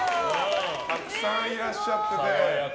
たくさんいらっしゃっていて。